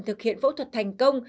thực hiện phẫu thuật thành công